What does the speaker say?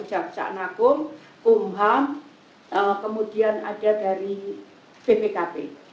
kemudian ada bersyaknakum pumham kemudian ada dari bpkp